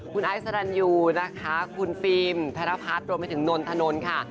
คุณไอซ์สลันยูนะคะคุณฟิล์มธรรพาสรวมไปถึงนนถนนค่ะ